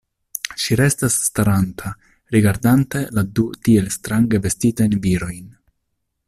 Ŝi restas staranta, rigardante la du tiel strange vestitajn virojn.